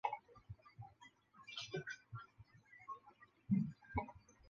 黄福为工部尚书。